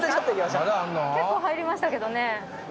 結構入りましたけどね。